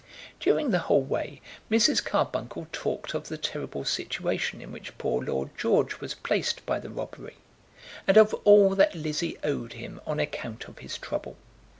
During the whole way Mrs. Carbuncle talked of the terrible situation in which poor Lord George was placed by the robbery, and of all that Lizzie owed him on account of his trouble.